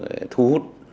để thu hút